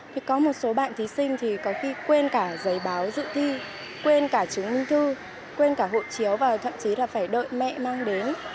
thì có một số bạn thí sinh thì có khi quên cả giấy báo dự thi quên cả chứng minh thư quên cả hộ chiếu và thậm chí là phải đợi mẹ mang đến